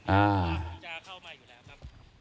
ไม่เข้าไม่เข้า